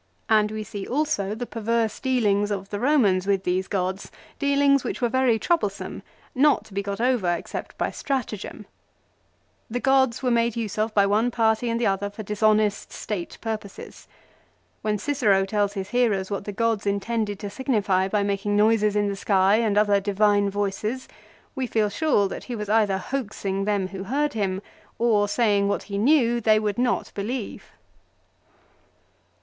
1 And we see also the perverse dealings of the Romans with these gods, dealings which were very troublesome, not to be got over except by stratagem. The gods were made use of by one party and the other for dishonest state purposes. When Cicero tells his hearers what the gods intended to signify by making noises in the sky and other divine voices, we feel sure that he was either hoaxing them who heard him, or saying what he knew they would not believe.